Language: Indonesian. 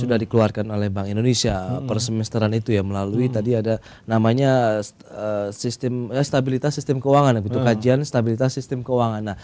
yang sudah dikeluarkan oleh bank indonesia persemesteran itu ya melalui tadi ada namanya kajian stabilitas sistem keuangan